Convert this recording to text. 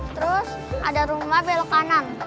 terus ada rumah belok kanan